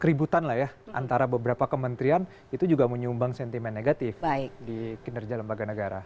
keributan lah ya antara beberapa kementerian itu juga menyumbang sentimen negatif di kinerja lembaga negara